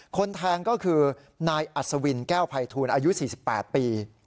คนแทงก็คือนายอัศวินแก้วภัยทูลอายุ๔๘ปี